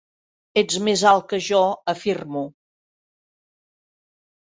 Ets més alt que jo, afirmo.